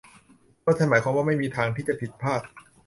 เพราะว่าฉันหมายความว่าไม่มีทางที่จะผิดพลาด